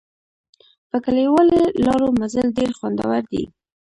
په کلیوالي لارو مزل ډېر خوندور دی.